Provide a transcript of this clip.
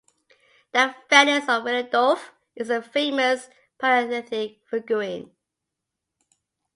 The Venus of Willendorf is a famous Paleolithic figurine.